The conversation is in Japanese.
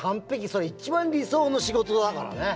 それ一番理想の仕事だからね。